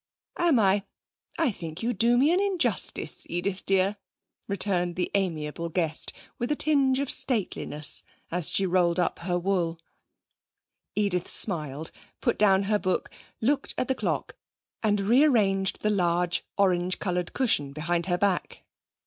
'Am I? I think you do me injustice, Edith dear,' returned the amiable guest with a tinge of stateliness as she rolled up her wool. Edith smiled, put down her book, looked at the clock and rearranged the large orange coloured cushion behind her back.